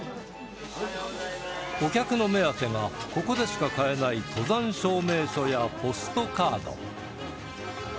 お客の目当てがここでしか買えない登山証明書やポストカード